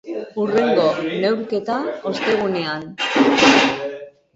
Hurrengo neurketa, ostegunean.